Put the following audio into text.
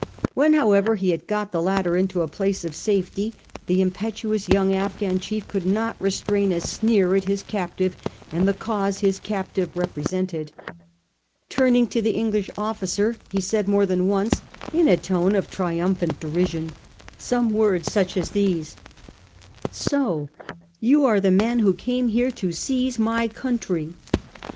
When, however, he had got the latter into a place of safety, the impetuous young Afghan chief could not restrain a sneer at his captive and the cause his captive represented. Turning to the Eng lish officer, he said more than once, 4 in a tone of triumphant derision,' some words such as these : 4 So you are the man who came here to seize my country